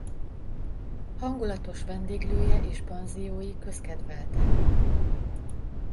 Hangulatos vendéglője és panziói közkedveltek.